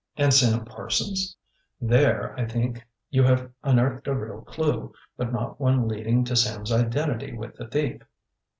"And Sam Parsons?" "There, I think, you have unearthed a real clew, but not one leading to Sam's identity with the thief.